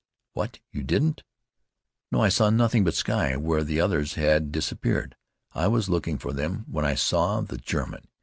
"What! you didn't " "No. I saw nothing but sky where the others had disappeared. I was looking for them when I saw the German.